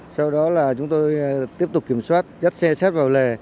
sau đó là chúng tôi tiếp tục kiểm soát dắt xe sát vào lề